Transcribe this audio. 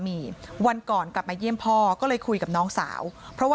พี่น้องของผู้เสียหายแล้วเสร็จแล้วมีการของผู้เสียหาย